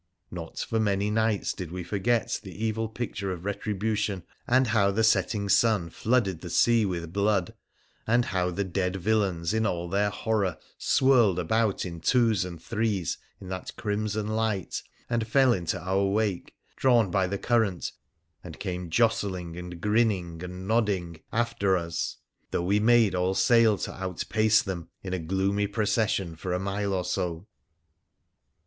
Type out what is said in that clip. Not for many nights did we forget the evil picture of retribution, and how the setting sun flooded the sea with blood, and how the dead villains, in all their horror, swirled about in twos and threes in that crimson light, and fell into our wake, drawn by the current, and came jostling and grinning, and nodding PHRA THE PHCENICIAN 5 after us, though we made all sail to outpace them> in a gloomy procession for a mile or so.